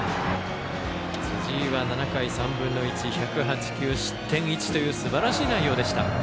辻井は７回３分の１失点１というすばらしい内容でした。